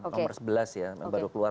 nomor sebelas ya baru keluar